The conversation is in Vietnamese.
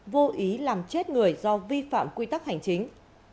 vô ý làm chết người do vi phạm quy tắc hành chính